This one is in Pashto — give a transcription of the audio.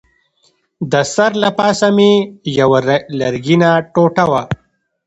د سر له پاسه مې یوه لرګینه ټوټه وه.